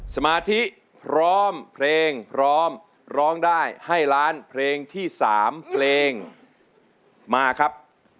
สมาธิพร้อมเพลงพร้อมร้องได้ให้ล้านเพลงที่๓เพลงมาครับ